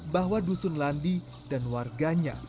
bahwa dusun landi dan warganya